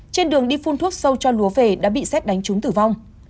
trên đường đi phun thuốc sâu cho lúa về đã bị xét đánh trúng tử vong